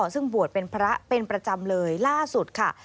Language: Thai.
ซึ่งบวชเป็นพระเป็นประจำเลยล่าสุดค่ะ